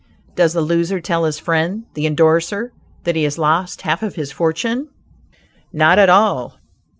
Does the loser tell his friend, the endorser, that he has lost half of his fortune? Not at all.